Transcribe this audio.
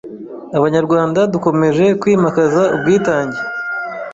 Abanyarwanda dukomeje kwimakaza ubwitang